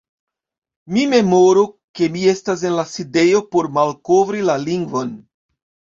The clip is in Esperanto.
Mi memoru, ke mi estas en la sidejo por malkovri la lingvon.